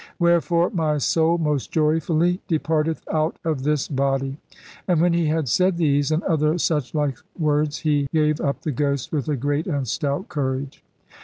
Wherefore my soul most joyfully de parteth out of this body." ... And when he had said these and other suchlike words he gave up the ghost with a great and stout courage.